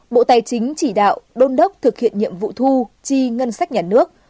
bộ tài chính chỉ đạo đôn đốc thực hiện nhiệm vụ thu chi ngân sách nhà nước